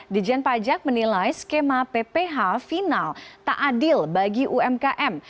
dijen pajak menilai skema pph final tak adil bagi umkm